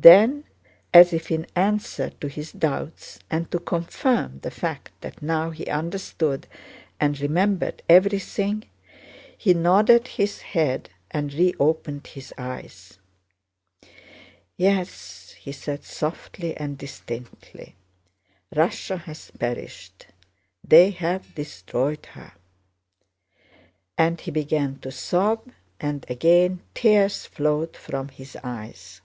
Then as if in answer to his doubts and to confirm the fact that now he understood and remembered everything, he nodded his head and reopened his eyes. "Yes," he said, softly and distinctly. "Russia has perished. They've destroyed her." And he began to sob, and again tears flowed from his eyes.